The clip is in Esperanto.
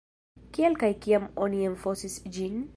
Kial kaj kiam oni enfosis ĝin?